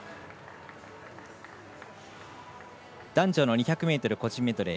男女の２００ｍ個人メドレー